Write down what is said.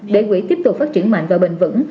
để quỹ tiếp tục phát triển mạnh và bền vững